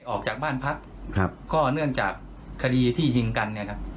ออกจากบ้านพักก็เนื่องจากคดีที่ยิงกัน